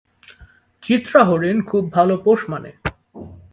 চিত্রা হরিণ খুব ভাল পোষ মানে।